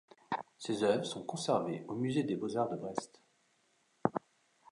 Ses œuvres sont conservées au Musée des Beaux-Arts de Brest.